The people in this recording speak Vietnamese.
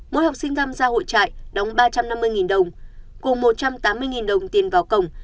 mỗi học sinh tham gia hội trại đóng ba trăm năm mươi đồng cùng một trăm tám mươi đồng tiền vào cổng